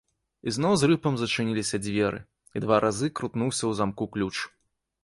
І зноў з рыпам зачыніліся дзверы, і два разы крутнуўся ў замку ключ.